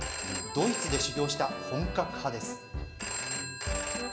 ドイツで修行した本格派です。